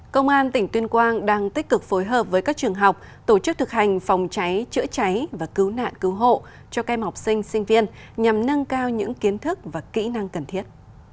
công an tỉnh tuyên quang đang tích cực phối hợp với các trường học tổ chức thực hành phòng cháy chữa cháy và cứu nạn cứu hộ cho các em học sinh sinh viên nhằm nâng cao những kiến thức và kỹ năng cần thiết